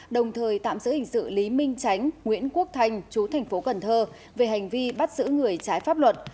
đồng thời tạm giữ hình sự lý minh tránh nguyễn quốc thanh chú thành phố cần thơ về hành vi bắt giữ người trái pháp luật